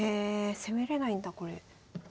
攻めれないんだこれ。